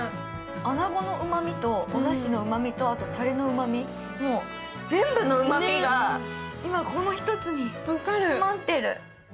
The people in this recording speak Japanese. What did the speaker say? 穴子のうまみとおだしのうまみとたれのうまみ、全部のうまみが今、この１つに詰まってる。